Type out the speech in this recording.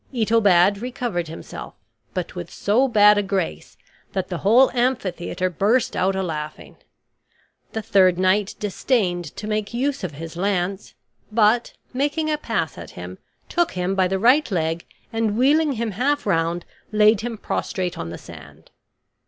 Itobad recovered himself, but with so bad a grace that the whole amphitheater burst out a laughing. The third knight disdained to make use of his lance; but, making a pass at him, took him by the right leg and, wheeling him half round, laid him prostrate on the sand.